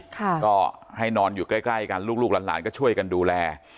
ก็ให้นอนอยู่ใกล้กันลูกหลานก็ช่วยกันดูแล